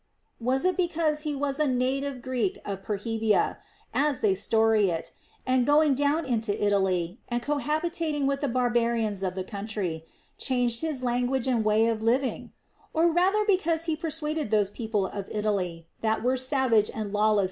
Was it because he was a native Greek of Perrhaebia (as they story it), and going down into Italy and cohabiting with the barbarians of the country, changed his language and way of living I Or rather because he per suaded those people of Italy that were savage and lawless 216 THE ROMAN QUESTIONS.